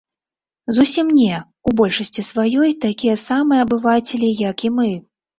Зусім не, у большасці сваёй такія самыя абывацелі, як і мы.